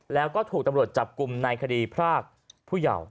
แล้วก็ถูกตำรวจจับกลุ่มในคดีพรากผู้เยาว์